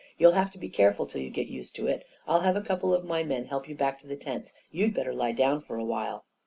" You'll have to be careful till you get used to it. I'll have a couple of my men help you back to the tents. You'd better lie down for a while."